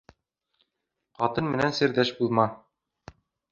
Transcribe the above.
Ҡатын менән серҙәш булма.